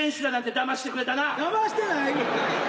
だましてない。